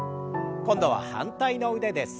今度は反対の腕です。